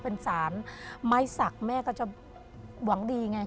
เป็นสารไม้สักแม่ก็จะหวังดีไง